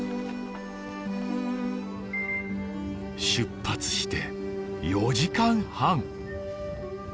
出発して４時間半。